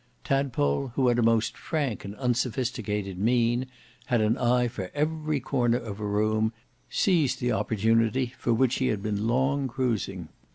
Tadpole, who had a most frank and unsophisticated mien had an eye for every corner of a room, seized the opportunity for which he had been long cruising.